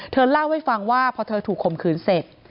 เธอเล่าให้ฟังว่าพอเธอถูกข่มขืนเสร็จ